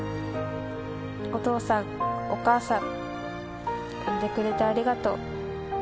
お父さん、お母さん、産んでくれてありがとう。